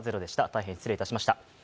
大変失礼いたしました。